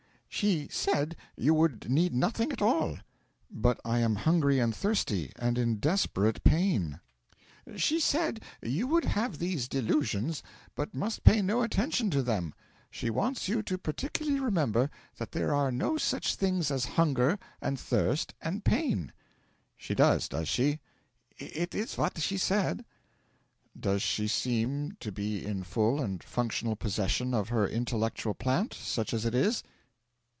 'She said you would need nothing at all.' 'But I am hungry and thirsty, and in desperate pain.' 'She said you would have these delusions, but must pay no attention to them. She wants you to particularly remember that there are no such things as hunger and thirst and pain.' 'She does, does she?' 'It is what she said.' 'Does she seem o be in full and functional possession of her intellectual plant, such as it is?'